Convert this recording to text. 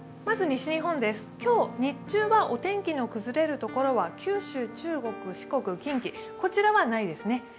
まず西日本です、今日日中はお天気の崩れるところは九州、中国、四国、近畿、こちらはないですね。